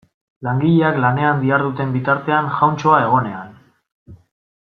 Langileak lanean diharduten bitartean jauntxoa egonean.